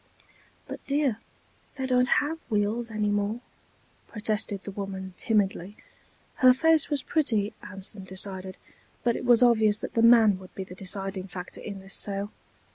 "But dear, they don't have wheels anymore," protested the woman, timidly. Her face was pretty, Anson decided, but it was obvious that the man would be the deciding factor in this sale.